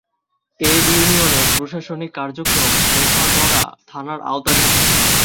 এ ইউনিয়নের প্রশাসনিক কার্যক্রম লোহাগাড়া থানার আওতাধীন।